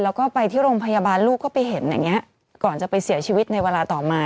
แล้วก็ไปที่โรงพยาบาลลูกก็ไปเห็นอย่างเงี้ยก่อนจะไปเสียชีวิตในเวลาต่อมา